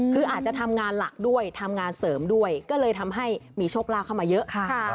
คืออาจจะทำงานหลักด้วยทำงานเสริมด้วยก็เลยทำให้มีโชคลาภเข้ามาเยอะค่ะ